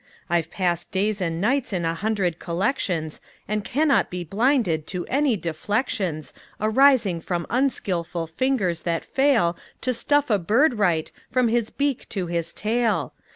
I've passed days and nights in a hundred collections, And cannot be blinded to any deflections Arising from unskilful fingers that fail To stuff a bird right, from his beak to his tail.